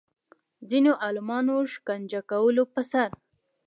ځینو عالمانو شکنجه کولو پر سر